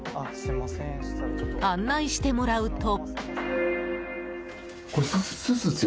案内してもらうと。